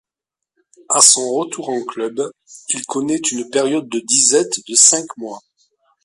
À son retour en club, il connaît une période de disette de cinq mois.